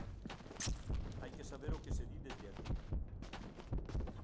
Hai que saber o que se di desde aquí.